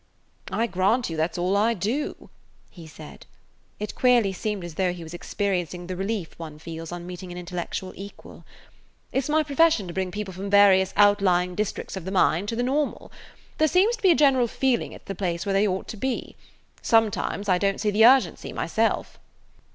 "I grant you that 's all I do," he said. It queerly seemed as though he was experiencing the relief one feels on meeting an intellectual equal. "It 's my profession to bring people from various outlying districts of the mind to the normal. There seems to be a general feeling it 's the place where they ought to be. Sometimes I don't see the urgency myself."